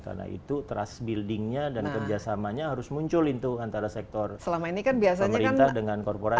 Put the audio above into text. karena itu trust buildingnya dan kerjasamanya harus muncul itu antara sektor pemerintah dengan korporasi